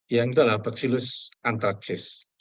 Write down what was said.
yang itu adalah baxillus anthraxis